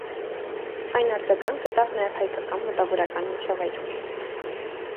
Այն արձագանք գտավ նաև հայկական մտավորական միջավայրում։